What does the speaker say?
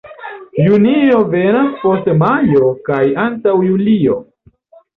Junio venas post majo kaj antaŭ julio.